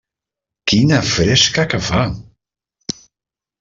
Quina fresca que fa!